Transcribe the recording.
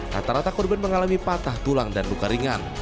rata rata korban mengalami patah tulang dan luka ringan